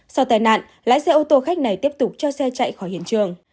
sau tai nạn lái xe ô tô khách này tiếp tục cho xe chạy khỏi hiện trường